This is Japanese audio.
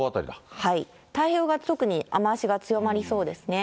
太平洋側、特に雨足が強まりそうですね。